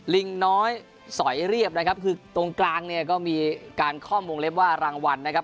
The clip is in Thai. ลิงน้อยสอยเรียบนะครับคือตรงกลางเนี่ยก็มีการข้อมูลวงเล็บว่ารางวัลนะครับ